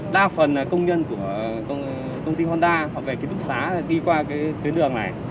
đa phần là công nhân của công ty honda họ phải ký túc xá đi qua cái đường này